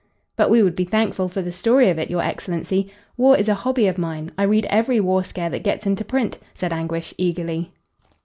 "But we would be thankful for the story of it, your excellency. War is a hobby of mine. I read every war scare that gets into print," said Anguish, eagerly.